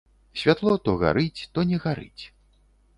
Святло то гарыць, то не гарыць.